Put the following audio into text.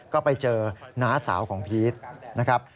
ก็ไปเจอน้าสาวของพีชนะครับ